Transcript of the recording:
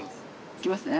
いきますね。